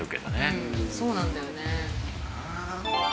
うんそうなんだよね。